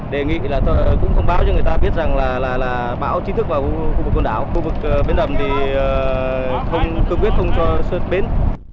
đề nghị là cũng thông báo cho người ta biết rằng là bão chính thức vào khu vực biến đầm khu vực biến đầm thì cơ quyết không cho xuất biến